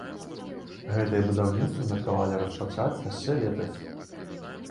Гэтае будаўніцтва меркавалі распачаць яшчэ летась.